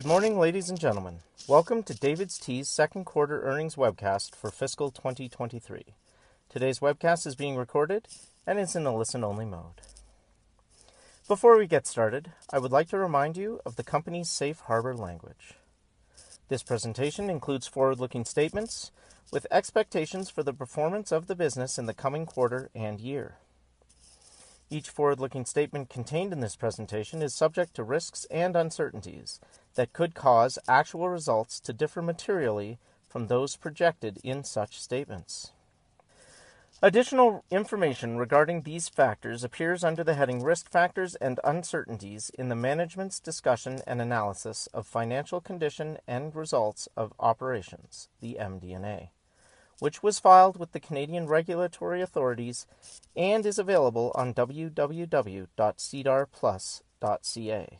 Good morning, ladies and gentlemen. Welcome to DAVIDsTEA's second quarter earnings webcast for fiscal 2023. Today's webcast is being recorded and it's in a listen-only mode. Before we get started, I would like to remind you of the company's safe harbor language. This presentation includes forward-looking statements with expectations for the performance of the business in the coming quarter and year. Each forward-looking statement contained in this presentation is subject to risks and uncertainties that could cause actual results to differ materially from those projected in such statements. Additional information regarding these factors appears under the heading Risk Factors and Uncertainties in the management's discussion and analysis of financial condition and results of operations, the MD&A, which was filed with the Canadian regulatory authorities and is available on www.sedarplus.ca,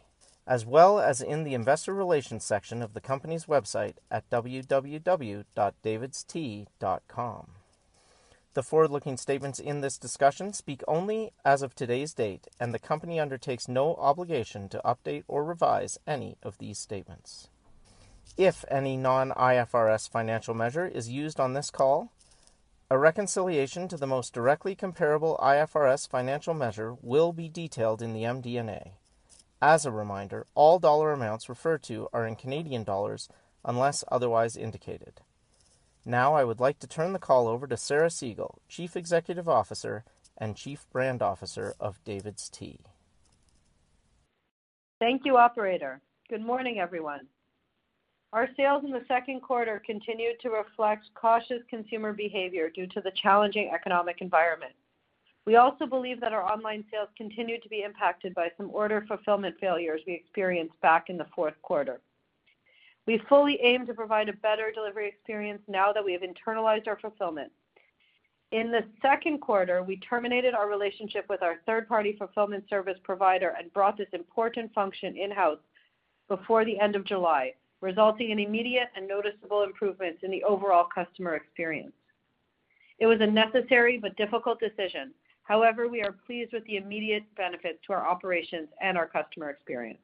as well as in the investor relations section of the company's website at www.davidstea.com. The forward-looking statements in this discussion speak only as of today's date, and the company undertakes no obligation to update or revise any of these statements. If any non-IFRS financial measure is used on this call, a reconciliation to the most directly comparable IFRS financial measure will be detailed in the MD&A. As a reminder, all dollar amounts referred to are in Canadian dollars unless otherwise indicated. Now, I would like to turn the call over to Sarah Segal, Chief Executive Officer and Chief Brand Officer of DAVIDsTEA. Thank you, operator. Good morning, everyone. Our sales in the second quarter continued to reflect cautious consumer behavior due to the challenging economic environment. We also believe that our online sales continued to be impacted by some order fulfillment failures we experienced back in the fourth quarter. We fully aim to provide a better delivery experience now that we have internalized our fulfillment. In the second quarter, we terminated our relationship with our third-party fulfillment service provider and brought this important function in-house before the end of July, resulting in immediate and noticeable improvements in the overall customer experience. It was a necessary but difficult decision. However, we are pleased with the immediate benefits to our operations and our customer experience.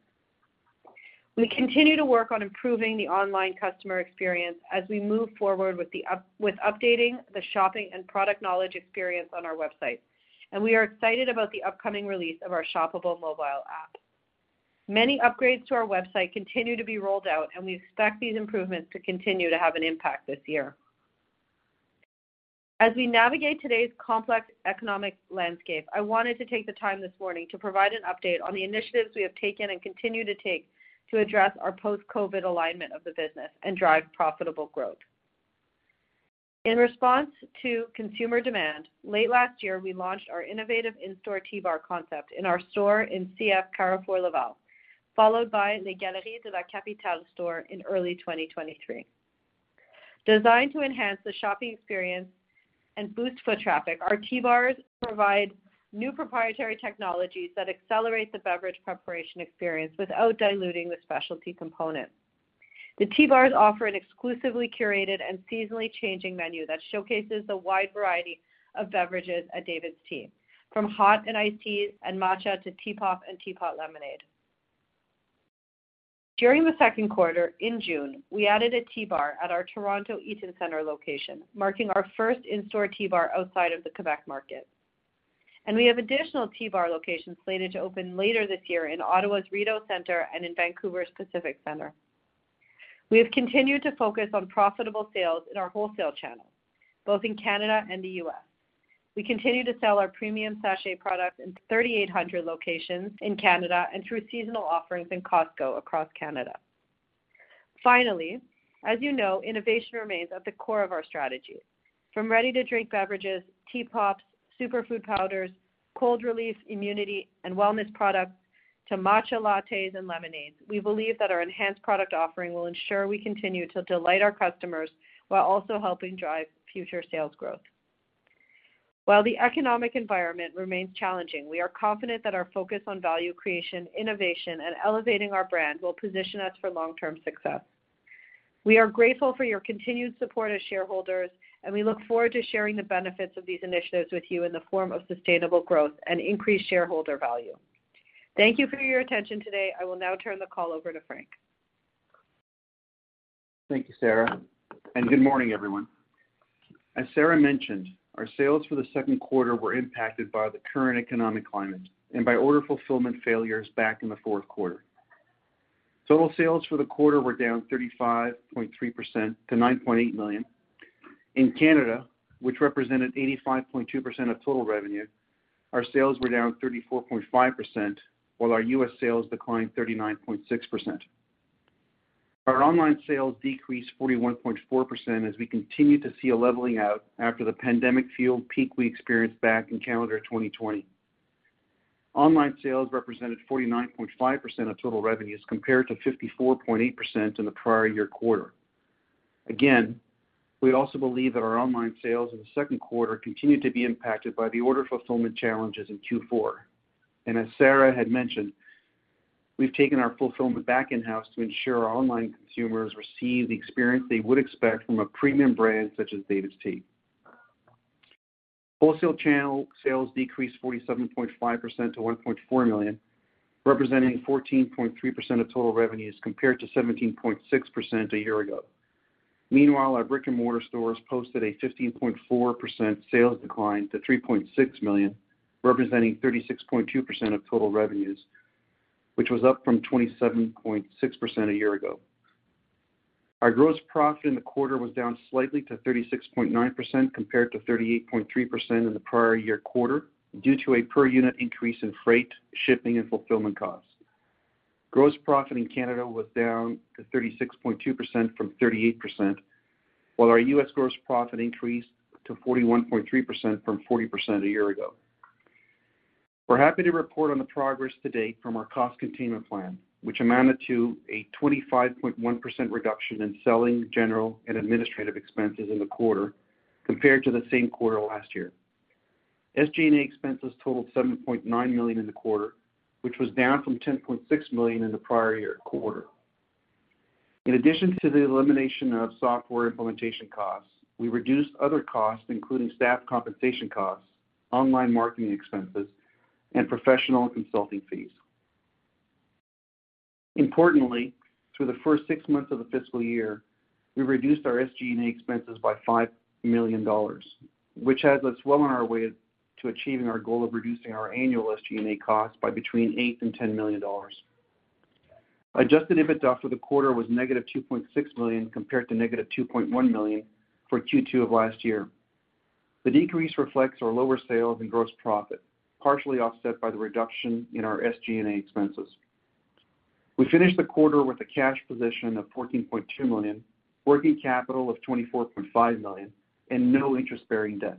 We continue to work on improving the online customer experience as we move forward with updating the shopping and product knowledge experience on our website, and we are excited about the upcoming release of our shoppable mobile app. Many upgrades to our website continue to be rolled out, and we expect these improvements to continue to have an impact this year. As we navigate today's complex economic landscape, I wanted to take the time this morning to provide an update on the initiatives we have taken and continue to take to address our post-COVID alignment of the business and drive profitable growth. In response to consumer demand, late last year, we launched our innovative in-store Tea Bar concept in our store in CF Carrefour Laval, followed by Les Galeries de la Capitale store in early 2023. Designed to enhance the shopping experience and boost foot traffic, our Tea Bars provide new proprietary technologies that accelerate the beverage preparation experience without diluting the specialty component. The Tea Bars offer an exclusively curated and seasonally changing menu that showcases the wide variety of beverages at DAVIDsTEA, from hot and iced teas and matcha to TeaPop and TeaPop lemonade. During the second quarter, in June, we added a Tea Bar at our Toronto Eaton Centre location, marking our first in-store Tea Bar outside of the Quebec market. We have additional Tea Bar locations slated to open later this year in Ottawa's Rideau Centre and in Vancouver's Pacific Centre. We have continued to focus on profitable sales in our wholesale channels, both in Canada and the U.S. We continue to sell our premium sachet products in 3,800 locations in Canada and through seasonal offerings in Costco across Canada. Finally, as you know, innovation remains at the core of our strategy: From ready-to-drink beverages, TeaPop, superfood powders, cold relief, immunity, and wellness products to matcha lattes and lemonades. We believe that our enhanced product offering will ensure we continue to delight our customers while also helping drive future sales growth. While the economic environment remains challenging, we are confident that our focus on value creation, innovation, and elevating our brand will position us for long-term success. We are grateful for your continued support as shareholders, and we look forward to sharing the benefits of these initiatives with you in the form of sustainable growth and increased shareholder value. Thank you for your attention today. I will now turn the call over to Frank. Thank you, Sarah, and good morning, everyone. As Sarah mentioned, our sales for the second quarter were impacted by the current economic climate and by order fulfillment failures back in the fourth quarter. Total sales for the quarter were down 35.3% to 9.8 million. In Canada, which represented 85.2% of total revenue, our sales were down 34.5%, while our U.S. sales declined 39.6%. Our online sales decreased 41.4% as we continue to see a leveling out after the pandemic-fueled peak we experienced back in calendar 2020. Online sales represented 49.5% of total revenues, compared to 54.8% in the prior year quarter. Again, we also believe that our online sales in the second quarter continued to be impacted by the order fulfillment challenges in Q4. And as Sarah had mentioned, we've taken our fulfillment back in-house to ensure our online consumers receive the experience they would expect from a premium brand such as DAVIDsTEA. Wholesale channel sales decreased 47.5% to 1.4 million, representing 14.3% of total revenues, compared to 17.6% a year ago. Meanwhile, our brick-and-mortar stores posted a 15.4% sales decline to 3.6 million, representing 36.2% of total revenues, which was up from 27.6% a year ago. Our gross profit in the quarter was down slightly to 36.9% compared to 38.3% in the prior year quarter, due to a per unit increase in freight, shipping, and fulfillment costs. Gross profit in Canada was down to 36.2% from 38%, while our U.S. gross profit increased to 41.3% from 40% a year ago. We're happy to report on the progress to date from our cost containment plan, which amounted to a 25.1% reduction in selling, general, and administrative expenses in the quarter compared to the same quarter last year. SG&A expenses totaled 7.9 million in the quarter, which was down from 10.6 million in the prior year quarter. In addition to the elimination of software implementation costs, we reduced other costs, including staff compensation costs, online marketing expenses, and professional consulting fees. Importantly, through the first six months of the fiscal year, we reduced our SG&A expenses by 5 million dollars, which has us well on our way to achieving our goal of reducing our annual SG&A costs by between 8 million and 10 million dollars. Adjusted EBITDA for the quarter was -2.6 million, compared to -2.1 million for Q2 of last year. The decrease reflects our lower sales and gross profit, partially offset by the reduction in our SG&A expenses. We finished the quarter with a cash position of 14.2 million, working capital of 24.5 million, and no interest-bearing debt.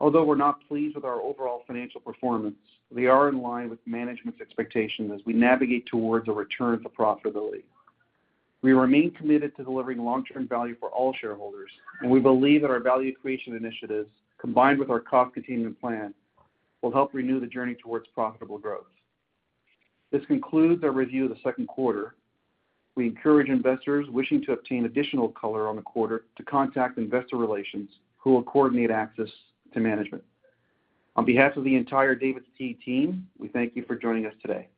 Although we're not pleased with our overall financial performance, we are in line with management's expectations as we navigate towards a return to profitability. We remain committed to delivering long-term value for all shareholders, and we believe that our value creation initiatives, combined with our cost containment plan, will help renew the journey towards profitable growth. This concludes our review of the second quarter. We encourage investors wishing to obtain additional color on the quarter to contact investor relations, who will coordinate access to management. On behalf of the entire DAVIDsTEA team, we thank you for joining us today.